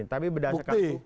tapi berdasarkan bukti